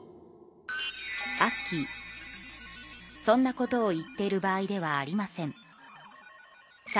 アッキーそんなことを言っている場合ではありません。です。